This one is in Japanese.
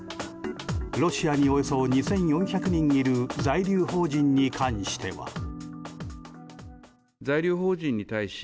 ロシアにおよそ２４００人いる在留邦人に関しては。